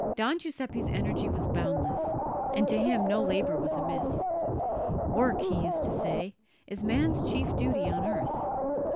Don Giuseppe's energy was boundless, and to him no labour was amiss. "Work," he used to say, "is man's chief duty on earth."